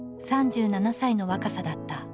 ３７歳の若さだった。